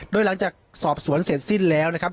โดยหลังจากสอบสวนเสร็จสิ้นแล้วนะครับ